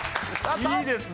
いいですね